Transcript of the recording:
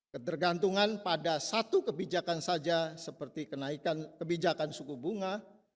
ketergantungan pada satu kebijakan saja seperti kenaikan kebijakan suku bunga